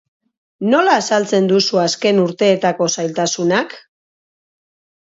Nola azaltzen duzu azken urteetako zailtasunak?